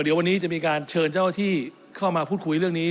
เดี๋ยววันนี้จะมีการเชิญเจ้าที่เข้ามาพูดคุยเรื่องนี้